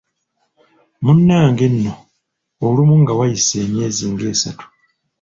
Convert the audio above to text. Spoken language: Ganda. Munnange nno olumu nga wayise emyezi ng'esatu.